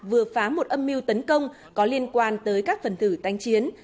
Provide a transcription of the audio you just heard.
vừa phá một âm mưu tấn công có liên quan tới các phần thử tán chiến